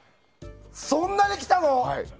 そんなに来たの？